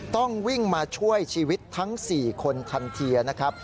ต้องวิ่งมาช่วยชีวิตทั้ง๔คนทันทีนะครับ